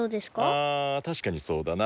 あたしかにそうだな。